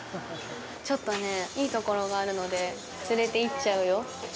ちょっとね、いいところがあるので、連れていっちゃうよ。